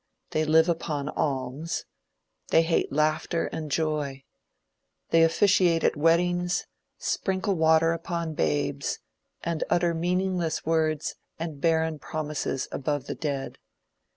They live upon alms. They hate laughter and joy. They officiate at weddings, sprinkle water upon babes, and utter meaningless words and barren promises above the dead.